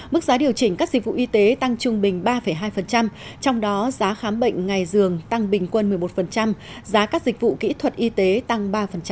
mức giá điều chỉnh các dịch vụ y tế tăng trung bình ba hai trong đó giá khám bệnh ngày dường tăng bình quân một mươi một giá các dịch vụ kỹ thuật y tế tăng ba